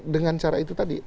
dengan cara itu tadi